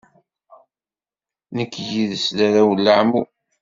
Nekk yid-s d arraw n leɛmum.